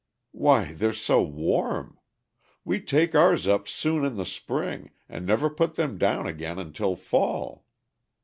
"Why, they're so warm. We take ours up soon in the spring, and never put them down again until fall."